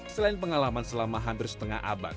selain pengalaman selama hampir setengah abad